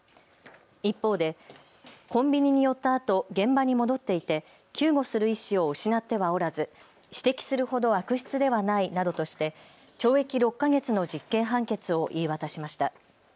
一方でコンビニに寄ったあと現場に戻っていて救護する意思を失ってはおらず指摘するほど悪質ではないなどとして懲役６か月の実刑判決を言い渡しました。